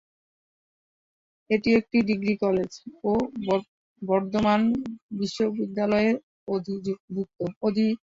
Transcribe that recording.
এটি একটি degree college ও বর্ধমান বিশ্ববিদ্যালয়ের অধিভুক্ত।